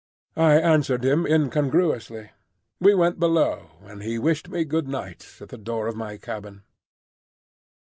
I answered him incongruously. We went below, and he wished me good night at the door of my cabin.